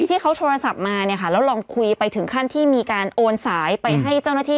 ที่เขาโทรศัพท์มาเนี่ยค่ะแล้วลองคุยไปถึงขั้นที่มีการโอนสายไปให้เจ้าหน้าที่